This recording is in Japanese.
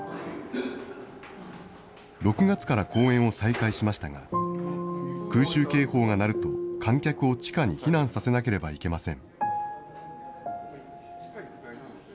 ６月から公演を再開しましたが、空襲警報が鳴ると観客を地下に避難させなければいけません。